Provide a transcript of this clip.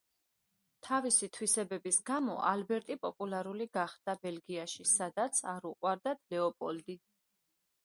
თავისი თვისებების გამო, ალბერტი პოპულარული გახდა ბელგიაში, სადაც არ უყვარდათ ლეოპოლდი.